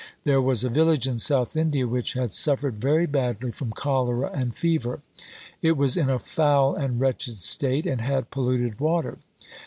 There was a village in South India which had suffered very badly from cholera and fever. It was in a foul and wretched state, and had polluted water.